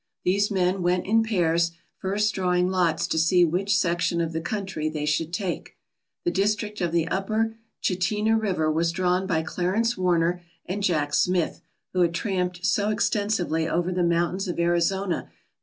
These men went in pairs, first drawing lots to see which section of the country they should take. The district of the upper Chitina River was drawn by Clarence Warner and Jack Smith, who had tramped so extensively over the moun tains of Arizona that